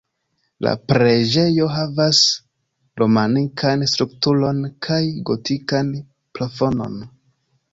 La preĝejo havas romanikan strukturon kaj gotikan plafonon.